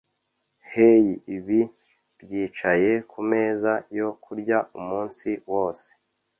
Hey ibi byicaye kumeza yo kurya umunsi wose